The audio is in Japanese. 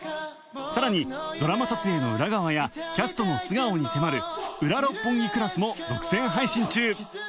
さらにドラマ撮影の裏側やキャストの素顔に迫る『ウラ六本木クラス』も独占配信中